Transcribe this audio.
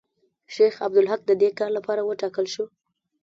شیخ عبدالحق د دې کار لپاره وټاکل شو.